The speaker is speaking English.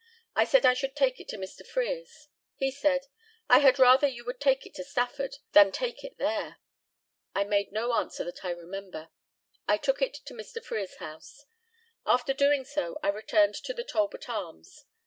I said I should take it to Mr. Frere's. He said, "I had rather you would take it to Stafford than take it there." I made no answer that I remember. I took it to Mr. Frere's house. After doing so, I returned to the Talbot Arms.